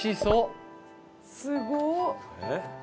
すごっ！